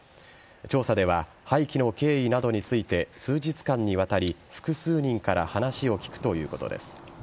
調査では廃棄の経緯などについて数日間にわたり複数人から話を聞くということです。